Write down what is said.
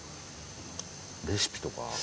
レシピとか？